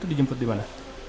dijemput di mana